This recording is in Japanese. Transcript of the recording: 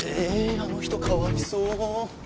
あの人かわいそう。